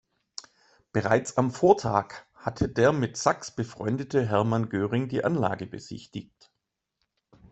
Bereits am Vortag hatte der mit Sachs befreundete Hermann Göring die Anlage besichtigt.